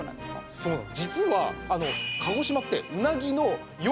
そうなんです。